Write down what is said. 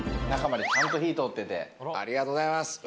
中までありがとうございます！